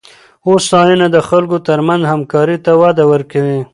هوساینه د خلکو ترمنځ همکارۍ ته وده ورکوي.